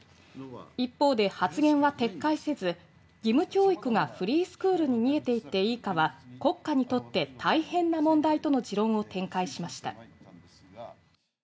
一方で、発言は撤回せず義務教育がフリースクールに逃げていていいかは国家にとって大変な問題との持論を展開しました。